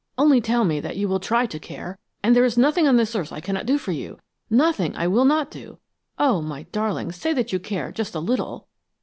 Only tell me that you will try to care, and there is nothing on this earth I cannot do for you, nothing I will not do! Oh, my darling, say that you care just a little!"